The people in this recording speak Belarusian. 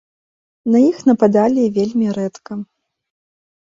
На іх нападалі вельмі рэдка.